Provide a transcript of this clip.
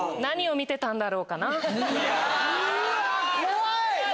うわ怖い！